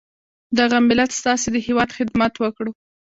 دغه ملت ستاسي د هیواد خدمت وکړو.